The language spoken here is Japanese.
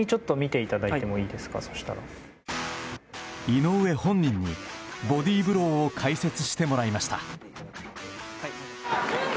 井上本人に、ボディーブローを解説してもらいました。